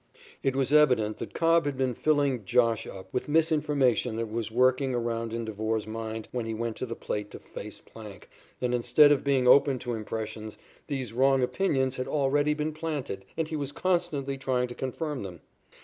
It was evident that Cobb had been filling "Josh" up with misinformation that was working around in Devore's mind when he went to the plate to face Plank, and, instead of being open to impressions, these wrong opinions had already been planted and he was constantly trying to confirm them.